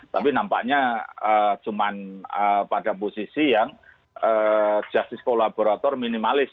tapi nampaknya cuma pada posisi yang justice kolaborator minimalis